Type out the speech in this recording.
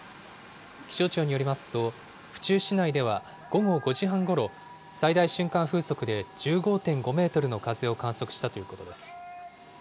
気象庁によりますと、府中市内では午後５時半ごろ、最大瞬間風速で１５．５メートルの風を観測したということです。